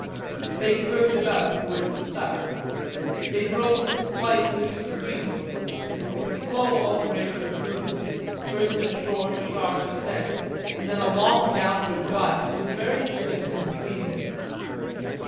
They curved about towards the south. They drove with a slight list to leeward, and with a slow alternation of movement, first a short, sharp ascent and then a long downward glide that was very swift and pleasing.